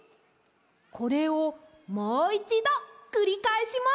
これをもういちどくりかえします。